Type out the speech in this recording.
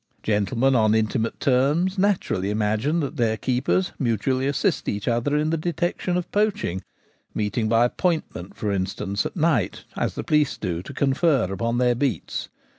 Gentlemen on intimate terms naturally imagine that their keepers mutually assist each other in the detection of poaching — meeting by appoint ment, for instance, at night, as the police do, to confer upon their beats.